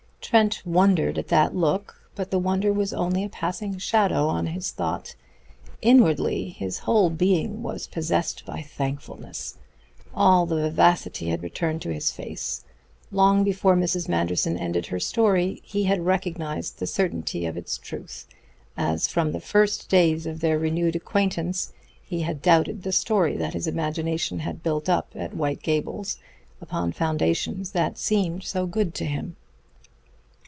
Trent wondered at that look. But the wonder was only a passing shadow on his thought. Inwardly his whole being was possessed by thankfulness. All the vivacity had returned to his face. Long before Mrs. Manderson ended her story he had recognized the certainty of its truth, as from the first days of their renewed acquaintance he had doubted the story that his imagination had built up at White Gables, upon foundations that seemed so good to him.